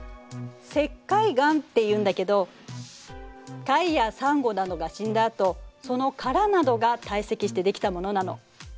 石灰岩っていうんだけど貝やサンゴなどが死んだあとその殻などが堆積してできたものなの。